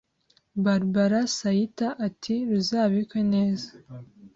Barbara Saitta ati ruzabikwe neza